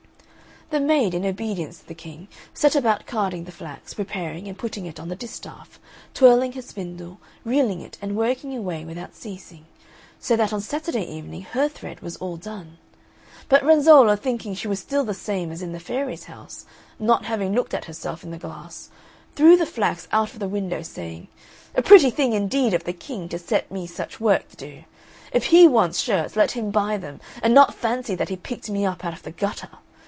The maid, in obedience to the King, set about carding the flax, preparing and putting it on the distaff, twirling her spindle, reeling it and working away without ceasing; so that on Saturday evening her thread was all done. But Renzolla, thinking she was still the same as in the fairy's house, not having looked at herself in the glass, threw the flax out of the window, saying, "A pretty thing indeed of the King to set me such work to do! If he wants shirts let him buy them, and not fancy that he picked me up out of the gutter.